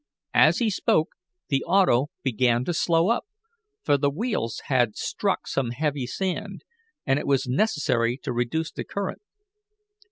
As he spoke the auto began to slow up, for the wheels had struck some heavy sand, and it was necessary to reduce the current.